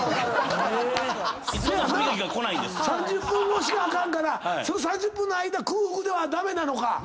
３０分後しかあかんからその３０分の間空腹は駄目なのか。